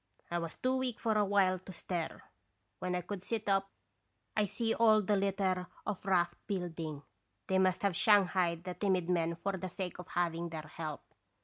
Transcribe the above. " I was too weak for a while to stir. When I could sit up I see all the litter of raft building. They must have shanghaied the timid men for the sake of having their help.